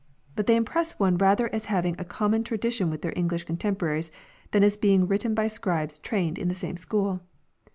But they impress one rather as having a common tradition with their English contemporaries than as being written by scribes trained in the same school.